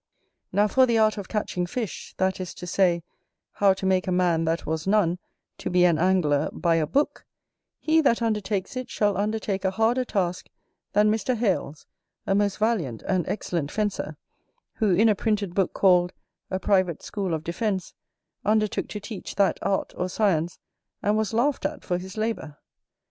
Now for the Art of catching fish, that is to say, How to make a man that was none to be an Angler by a book, he that undertakes it shall undertake a harder task than Mr. Hales, a most valiant and excellent fencer, who in a printed book called A Private School of Defence undertook to teach that art or science, and was laughed at for his labour.